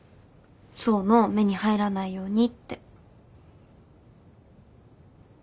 想の目に入らないようにって。